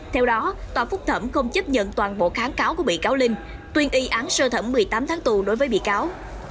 theo đó tòa phúc thẩm không chấp nhận toàn bộ kháng cáo của bị cáo linh tuyên y án sơ thẩm một mươi tám tháng tù đối với bị cáo